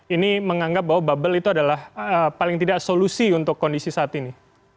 ini menganggap bahwa bubble itu adalah paling tidak solusi untuk kondisi saat ini